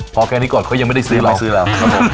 เพราะแค่นี้ก่อนเขายังไม่ได้ซื้อแล้ว